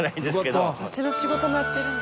町の仕事もやってるんだ。